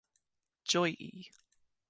ĝoji